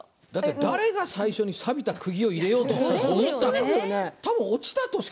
誰が最初に、さびたくぎを入れようと思ったのか。